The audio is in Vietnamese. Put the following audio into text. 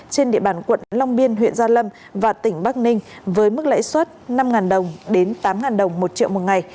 trên địa bàn quận long biên huyện gia lâm và tỉnh bắc ninh với mức lãi suất năm đồng đến tám đồng một triệu một ngày